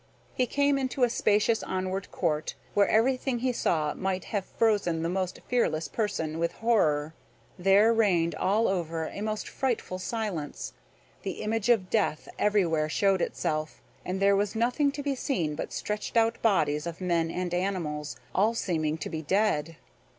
He came into a spacious outward court, where everything he saw might have frozen the most fearless person with horror. There reigned all over a most frightful silence; the image of death everywhere showed itself, and there was nothing to be seen but stretched out bodies of men and animals, all seeming to be dead.